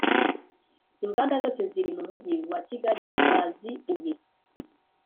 Inganda zose ziri mumujyi wa kigali bazi, uye